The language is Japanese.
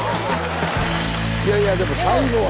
いやいやでも最後は。